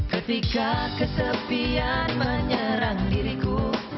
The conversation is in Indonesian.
ketika kesepian menyerang diriku